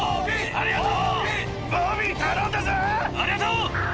ありがとう！